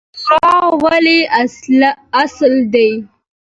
شورا ولې اصل دی؟